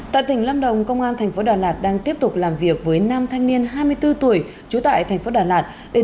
tại tỉnh lâm đồng công an tp đà lạt đang tiếp tục làm việc với năm thanh niên hai mươi bốn tuổi trú tại tp đà lạt